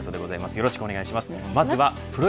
よろしくお願いします。